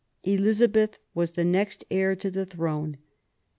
Elizabeth was the next heir to the throne.